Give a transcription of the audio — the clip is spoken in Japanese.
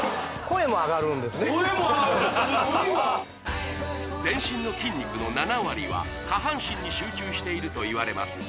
声も上がる全身の筋肉の７割は下半身に集中しているといわれます